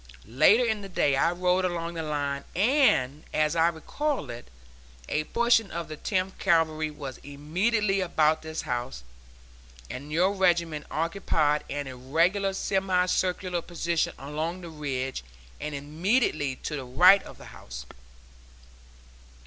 Later in the day I rode along the line, and, as I recall it, a portion of the Tenth Cavalry was immediately about this house, and your regiment occupied an irregular semi circular position along the ridge and immediately to the right of the house.